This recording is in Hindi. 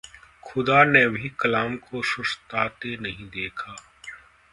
ख़ुदा ने भी कलाम को सुस्ताते नहीं देखा